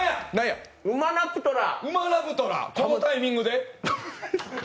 このタイミングで！？